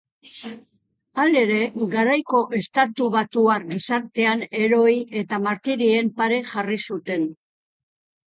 Halere, garaiko estatubatuar gizartean heroi eta martirien pare jarri zuten.